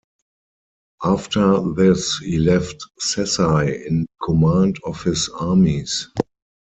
After this, he left Sessai in command of his armies.